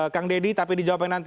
kang deddy tapi dijawabkan nanti